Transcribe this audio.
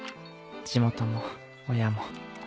地元も親も。